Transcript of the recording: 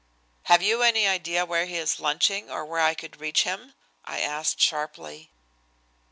"Have you any idea where he is lunching or where I could reach him?" I asked sharply.